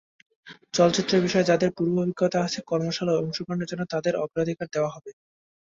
চলচ্চিত্র বিষয়ে যঁাদের পূর্বাভিজ্ঞতা আছে, কর্মশালায় অংশগ্রহণের জন্য তাঁদের অগ্রাধিকার দেওয়া হবে।